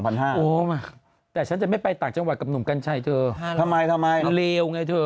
แต่ฉันจะไม่ไปต่างจังหวัดกับหนุ่มกัญชัยเธอทำไมทำไมมันเลวไงเธอ